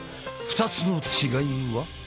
２つの違いは？